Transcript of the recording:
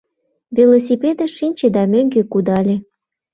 Велосипедыш шинче да мӧҥгӧ кудале.